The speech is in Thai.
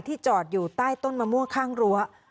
จอดอยู่ใต้ต้นมะม่วงข้างรั้ว